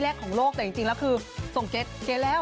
กับเพลงที่มีชื่อว่ากี่รอบก็ได้